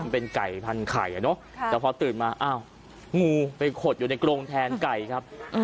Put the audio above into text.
เป็นไก่พันไข่แต่พอตื่นมาอ้าวงูไปขดอยู่ในกรงแทนไก่ครับ